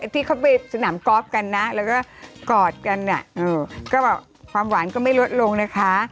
ที่เขาไปสนามกอล์ฟกันนะแล้วก็กอดกันก็แบบความหวานก็ไม่ลดลงนะคะ